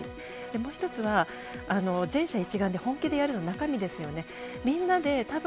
もう一つは全社一丸となって本気でやる、の中身ですよね。